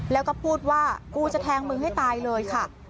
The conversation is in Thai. แล้วก็พูดว่ากูจะแทงมึงให้ตายเลยค่ะ